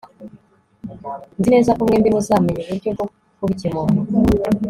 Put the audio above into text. Nzi neza ko mwembi muzamenya uburyo bwo kubikemura